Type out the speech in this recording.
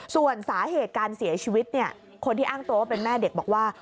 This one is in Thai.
ส่วนสาเหตุการเสียชีวิตคนที่อ้างตัวว่าเป็นแม่เด็กบอกว่า